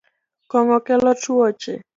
Kong’o kelo tuoche